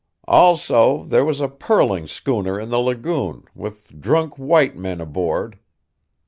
"Also, there was a pearling schooner in the lagoon, with drunk white men aboard."